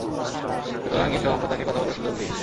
সুতরাং এসো আমরা তাঁকে কথা বলার সুযোগ দেই।